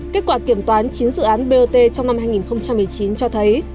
kết quả kiểm toán chín dự án bot trong năm hai nghìn một mươi chín cho thấy